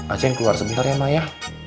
aceh yang keluar sebentar ya mak ya